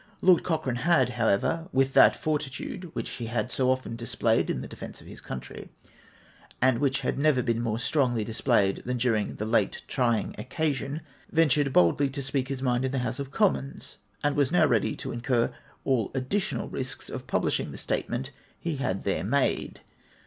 Lord Cochrane had, however, with that fortitude which lie had so often displayed in the defence of his country, and which had never been more strongly displayed than during the late trying occasion, ventured boldly to speak his mind in the House of Commons, and was now ready to incur all the additional risks of pub lishing the statement he had there made.